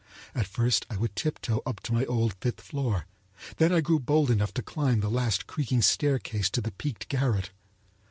At first I would tip toe up to my old fifth floor, then I grew bold enough to climb the last creaking staircase to the peaked garret.